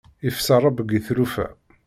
Ifsa rrebg i tlufa.